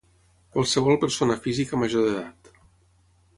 Qualsevol persona física major d'edat.